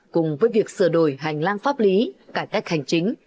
cùng với việc sửa đổi hành lang pháp lý cải cách hành chính